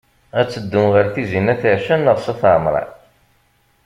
Ad teddum ɣer Tizi n at Ɛica neɣ s at Ɛemṛan?